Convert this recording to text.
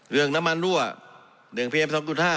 เรื่องน้ำมันรั่วเรื่องเพียม๒๕